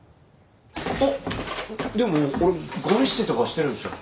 あっでも俺ごみ捨てとかはしてるんすよ。